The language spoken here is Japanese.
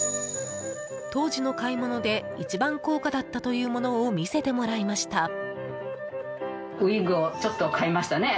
当時の買い物で一番高価だったというものを見せてもらいました。